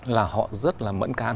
là họ rất là mẫn cán